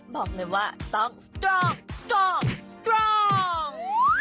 บอกเลยว่าต้องจร้องจร้องจร้อง